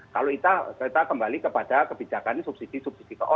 kalau kita kembali kepada kebijakan subsidi subsidi